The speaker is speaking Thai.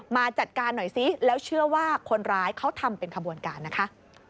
มาจัดการหน่อยซิแล้วเชื่อว่าคนร้ายเขาทำเป็นขบวนการนะคะ